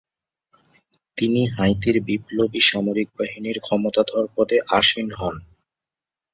তিনি হাইতির বিপ্লবী সামরিক বাহিনীর ক্ষমতাধর পদে আসীন হন।